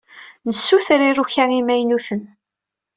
Nessuter iruka imaynuten.